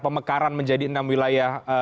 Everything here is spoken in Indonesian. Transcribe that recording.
pemekaran menjadi enam wilayah